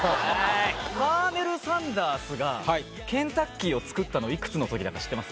カーネル・サンダースが「ケンタッキー」を作ったのはいくつの時だか知ってます？